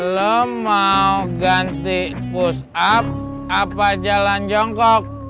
lo mau ganti push up apa jalan jongkok